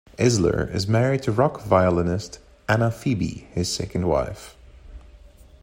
Esler is married to rock violinist Anna Phoebe, his second wife.